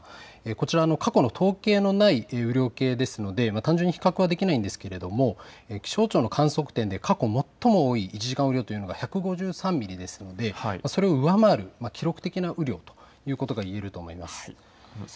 こちら、過去の統計のない雨量計ですので単純に比較はできないんですけれども気象庁の観測点で過去最も多い１時間雨量というのが１５３ミリですので、それを上回る記録的な雨量ということが言えると思います。